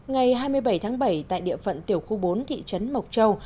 ngày hai mươi bảy tháng bảy tại địa phận tiểu khu bốn thị trấn mộc châu